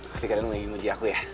pasti kadang mau ingin muji aku ya